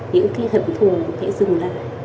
những cái hận thù hãy dừng lại